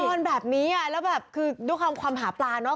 ก็เล่นนอนแบบนี้แล้วแบบคือด้วยความหาปลาน้ว